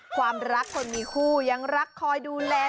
ความรักคนมีคู่ยังรักคอยดูแล